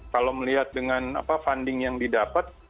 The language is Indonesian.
kalau melihat dengan funding yang didapat